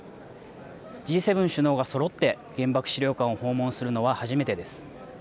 Ｇ７首脳がそろって原爆資料館を訪問するのは初めてです。